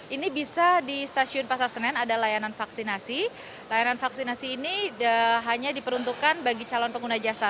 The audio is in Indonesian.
ini bisa di stasiun pasar senen ada layanan vaksinasi layanan vaksinasi ini hanya diperuntukkan bagi calon pengguna jasa